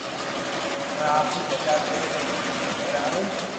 اوني آپري جگھ تي ٻآراوين